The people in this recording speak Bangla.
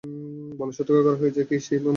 বলে সতর্ক করা হয়েছে: ‘কী সেই মহা দুর্ঘটনা?